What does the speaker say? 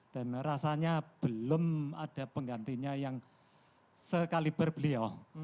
dan rasanya belum ada penggantinya yang sekaliber beliau